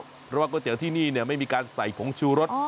เพราะว่าก๋วยเตี๋ยวที่นี่ไม่มีการใส่ผงชูรส